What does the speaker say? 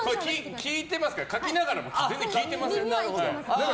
聞いてますから、書きながら全然聞いていますから。